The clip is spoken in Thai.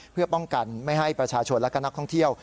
เพื่อป้องกันไม่ให้ประชาชนและก็นักท่องเที่ยว